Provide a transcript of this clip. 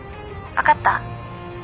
分かった？